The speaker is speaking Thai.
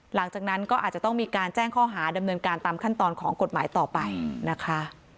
หลังจากนั้นก็อาจจะต้องมีการแจ้งข้อหาดำเนินการตามขั้นตอนของกฎหมายต่อไปนะคะ